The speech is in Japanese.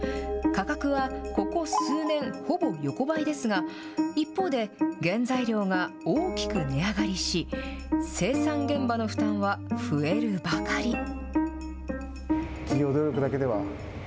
価格はここ数年、ほぼ横ばいですが、一方で原材料が大きく値上がりし、生産現場の負担は増えるばかり。